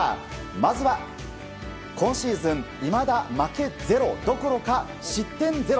まずは、今シーズンいまだ負けゼロどころか失点ゼロ。